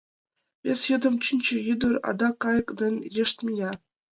Вес йӱдым Чинче ӱдыр адак кайык дек йышт мия.